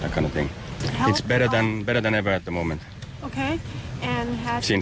คือทำตั้งแต่ทุกช่วง